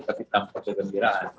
tapi tanpa kegembiraan